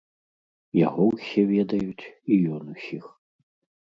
Яго ўсе ведаюць і ён усіх.